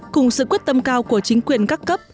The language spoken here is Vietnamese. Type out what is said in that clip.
cùng sự quyết tâm cao của chính quyền các cấp